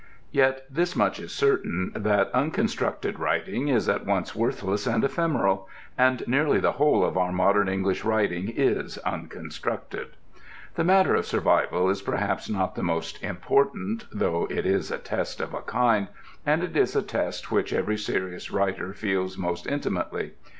Yet this much is certain, that unconstructed writing is at once worthless and ephemeral: and nearly the whole of our modern English writing is unconstructed. The matter of survival is perhaps not the most important, though it is a test of a kind, and it is a test which every serious writer feels most intimately.